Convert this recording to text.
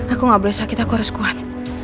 aku gak berasa sakit aku harus kuat